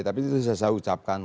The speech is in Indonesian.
tapi itu saya ucapkan